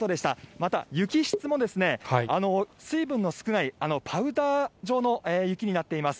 また、雪質も水分の少ないパウダー状の雪になっています。